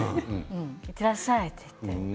いってらっしゃいって言って。